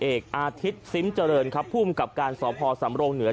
เอกอาทิตย์ซิมเจริญครับภูมิกับการสพสำรงเหนือ